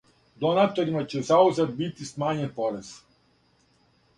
Донаторима ће заузврат бити смањен порез.